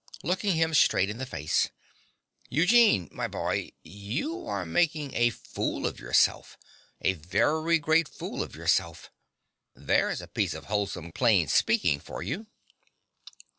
(Looking him straight in the face.) Eugene, my boy: you are making a fool of yourself a very great fool of yourself. There's a piece of wholesome plain speaking for you.